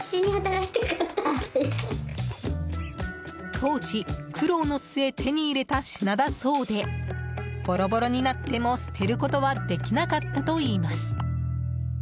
当時、苦労の末手に入れた品だそうでボロボロになっても捨てることはできなかったといいます。